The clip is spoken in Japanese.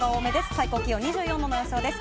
最高気温２４度の予想です。